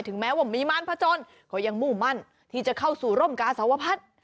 แม้ว่ามีมารพจนก็ยังมุ่งมั่นที่จะเข้าสู่ร่มกาสวพัฒน์